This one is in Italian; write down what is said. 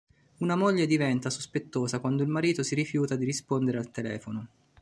Una moglie diventa sospettosa quando il marito si rifiuta di rispondere al telefono.